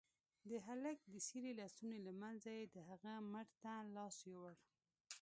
د هلك د څيرې لستوڼي له منځه يې د هغه مټ ته لاس يووړ.